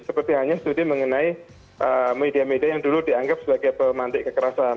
seperti hanya studi mengenai media media yang dulu dianggap sebagai pemantik kekerasan